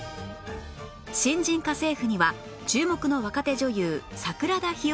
新人家政婦には注目の若手女優桜田ひよりが加入